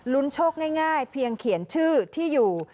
โชคง่ายเพียงเขียนชื่อที่อยู่